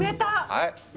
はい？